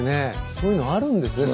そういうのあるんですね